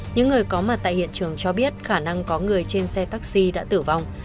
những người có mặt tại hiện trường cho biết khả năng có người trên xe taxi đã tử vong